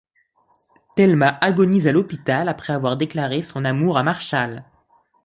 Thelma agonise à l’hôpital après avoir déclaré son amour à Marshall.